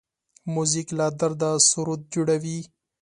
موزیک له درده سرود جوړوي.